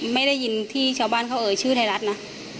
ไม่ได้ยินที่ชาวบ้านเขาเอ่ยชื่อไทยรัฐนะ